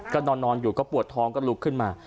ก็นอนอยู่ก็ปวดท้องก็ลุกขึ้นมา